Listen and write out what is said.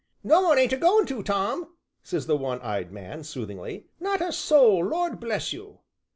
"No one ain't a goin' to, Tom," said the one eyed man soothingly, "not a soul, Lord bless you!"